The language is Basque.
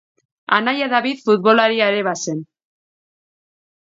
Anaia David futbolaria ere bazen.